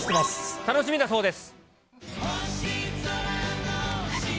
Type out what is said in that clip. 楽しみだそうです。